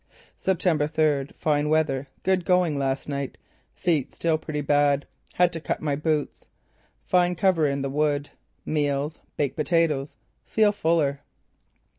"September third: Fine weather. Good going last night. Feet still pretty bad. Had to cut my boots. Fine cover in the wood. Meals: baked potatoes. Feel fuller."